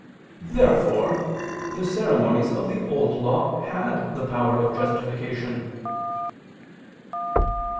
Therefore the ceremonies of the Old Law had the power of justification.